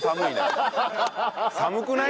寒くない？